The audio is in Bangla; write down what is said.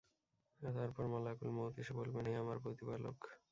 তারপর মালাকুল মউত এসে বলবেন, হে আমার প্রতিপালক!